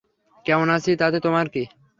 কেমন আছি তাতে তোমার কী?